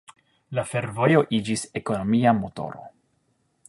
La fervojo iĝis ekonomia motoro.